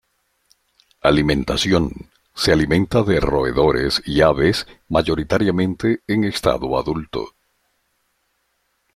Alimentación: Se alimenta de roedores y aves mayoritariamente en estado adulto.